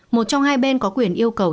một trong hai bên có quyền yêu cầu